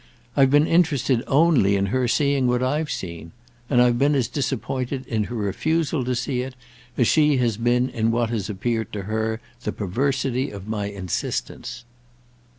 I've been interested only in her seeing what I've seen. And I've been as disappointed in her refusal to see it as she has been in what has appeared to her the perversity of my insistence."